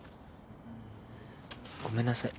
ごめんなさい。